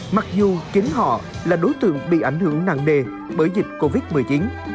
mặc dù chính họ là đối tượng bị ảnh hưởng nặng nề bởi dịch covid một mươi chín